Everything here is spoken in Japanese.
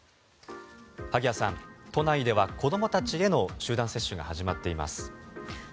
萩谷さん、都内では子どもたちへの集団接種が始まっています。